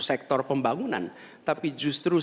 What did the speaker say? sektor pembangunan tapi justru